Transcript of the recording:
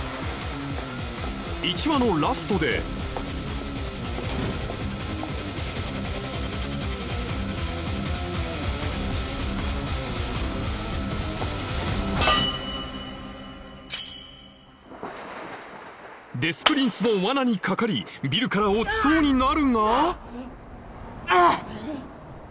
１話のラストでデス・プリンスの罠にかかりビルから落ちそうになるがあぁ！